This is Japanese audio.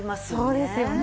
そうですよね。